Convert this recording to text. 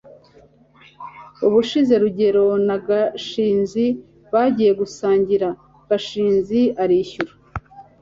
ubushize rugeyo na gashinzi bagiye gusangira, gashinzi arishyura